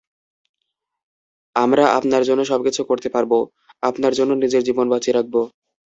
আমরা আপনার জন্য সব কিছু করতে পারব, আপনার জন্য নিজের জীবন বাজি রাখব।